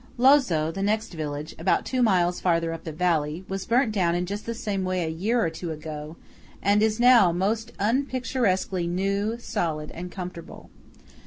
Lozzo, the next village, about two miles farther up the valley, was burnt down in just the same way a year or two ago, and is now most unpicturesquely new, solid, and comfortable.